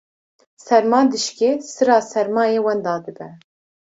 serma dişkê, sirra sermayê wenda dibe